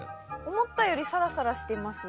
思ったよりさらさらしてます。